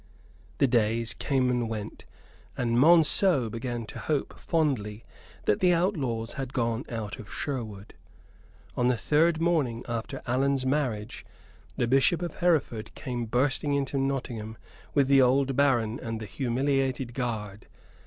The days came and went, and Monceux began to hope fondly that the outlaws had gone out of Sherwood. On the third morning after Allan's marriage the Bishop of Hereford came bursting into Nottingham with the old baron and the humiliated guard.